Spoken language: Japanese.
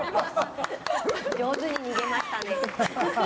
上手に逃げましたね。